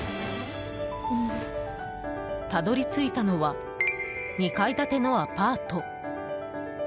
たどり着いたのは２階建てのアパート。